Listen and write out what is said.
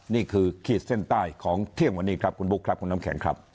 ขีดเส้นใต้ของเที่ยงวันนี้ครับคุณบุ๊คครับคุณน้ำแข็งครับ